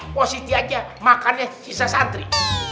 positif aja makannya sisa santri